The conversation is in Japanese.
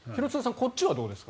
こっちはどうですか？